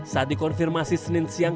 saat dikonfirmasi senin siang